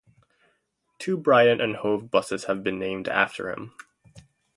Two Brighton and Hove buses have been named after him.